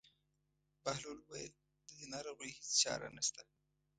بهلول وویل: د دې ناروغۍ هېڅ چاره نشته.